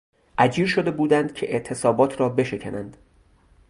اجیر شده بودند که اعتصابات را بشکنند.